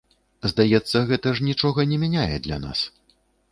Здаецца, гэта ж нічога не мяняе для нас.